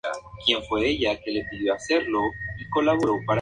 Por su complejidad fue la última obra del Plan Delta.